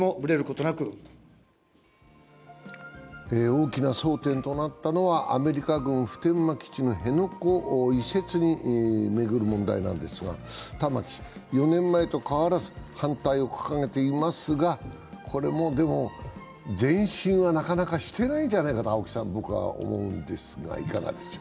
大きな争点となったのはアメリカ軍・普天間基地の辺野古移設を巡る問題なんですが、玉城氏は４年前と変わらず反対を掲げていますが、これも前進はなかなかしてないんじゃないかと思うんですが。